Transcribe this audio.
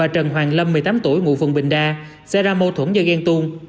một mươi tám tuổi ngụ phường bình đa sẽ ra mâu thuẫn do ghen tuôn